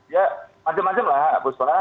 ya macam macam lah pak bustra